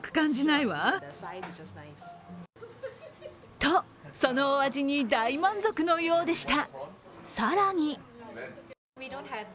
と、そのお味に大満足のようでした。